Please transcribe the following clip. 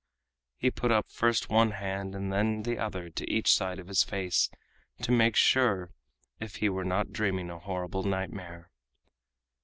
He put up first one hand and then the other to each side of his face to make sure if he were not dreaming a horrible nightmare.